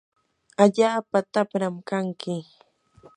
allaapa tapram kanki.